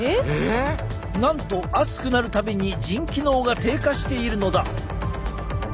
なんと暑くなる度に腎機能が低下しているのだ。